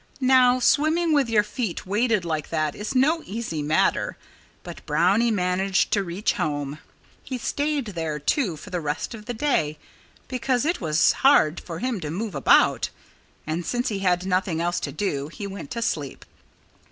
Now, swimming with your feet weighted like that is no easy matter. But Brownie managed to reach home. He stayed there, too, for the rest of the day, because it was hard for him to move about. And since he had nothing else to do, he went to sleep.